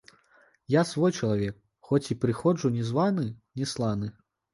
Я свой чалавек, хоць і прыходжу не званы, не сланы.